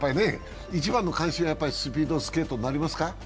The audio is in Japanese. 一番の関心はスピードスケートになりますか？